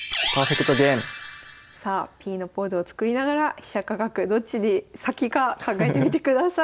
さあＰのポーズを作りながら飛車か角どっちに先か考えてみてください。